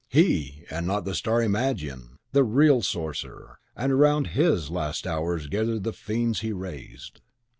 HE, and not the starry Magian, the REAL Sorcerer! And round HIS last hours gather the Fiends he raised!